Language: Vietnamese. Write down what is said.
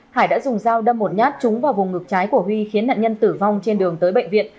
hải đã dùng dao đâm một nhát trúng vào vùng ngực trái của huy khiến nạn nhân tử vong trên đường tới bệnh viện